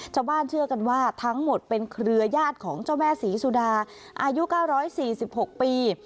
ชาวบ้านเชื่อกันว่าทั้งหมดเป็นเครือญาติของเจ้าแม่ศรีสุดาอายุเก้าร้อยสี่สิบหกปี